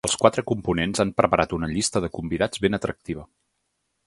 Els quatre components han preparat una llista de convidats ben atractiva.